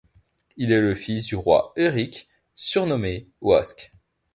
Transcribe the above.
Il est fils du roi Œric, surnommé Oisc.